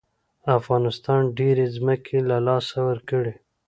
افغانستان ډېرې ځمکې له لاسه ورکړې.